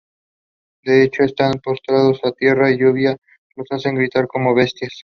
De hecho están postrados a tierra y la lluvia los hace gritar "como bestias".